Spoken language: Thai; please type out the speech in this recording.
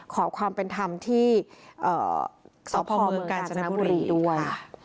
ขอความเป็นธรรมที่สพเมืองกาญจนบุรีด้วย